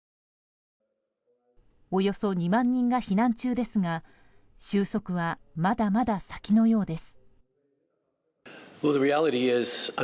およそ２万人が避難中ですが収束はまだまだ先のようです。